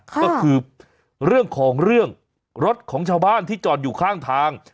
ก็คือเรื่องของเรื่องรถของชาวบ้านที่จอดอยู่ข้างทาง